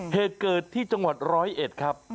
เหตุเกิดที่จังหวัดร้อยเอ็ดครับ